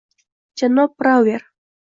— Janob Brauver!